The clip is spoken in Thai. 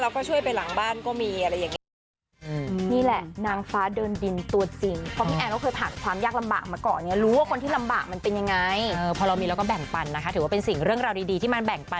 ช่วยไปหลังบ้านก็มีอะไรอย่างนี้